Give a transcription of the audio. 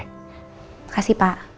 terima kasih pak